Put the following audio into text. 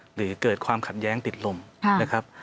หรือเกิดความขัดแย้งติดลมนะครับ